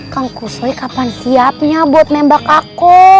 kang kuswe kapan siapnya buat nembak aku